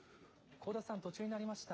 香田さん、途中になりました。